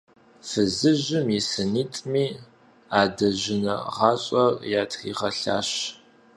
Фызыжьым и ныситӀми адэжынэ гъащӀэр ятригъэлъащ.